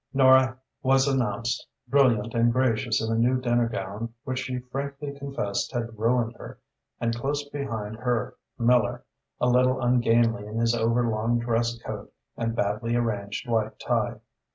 Nora was announced, brilliant and gracious in a new dinner gown which she frankly confessed had ruined her, and close behind her Miller, a little ungainly in his overlong dress coat and badly arranged white tie.